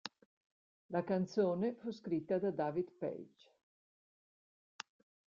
La canzone fu scritta da David Paich.